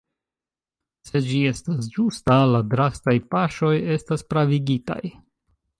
Se ĝi estas ĝusta la drastaj paŝoj estas pravigitaj.